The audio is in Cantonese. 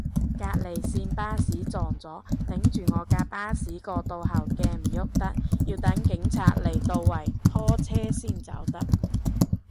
隔離線巴士撞咗，頂住我架巴士個倒後鏡唔郁得，要等警察嚟度位拖車先走得